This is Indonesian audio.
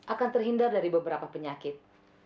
akan terhindar dari beberapa penyakit